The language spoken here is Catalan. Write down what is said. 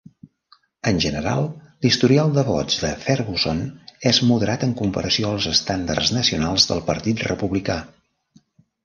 En general, l'historial de vots de Ferguson és moderat en comparació als estàndards nacionals del Partit Republicà.